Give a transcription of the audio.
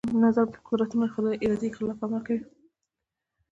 اسلام نظر بل قدرتونه خدای ارادې خلاف عمل کوي.